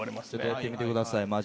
やってみてください。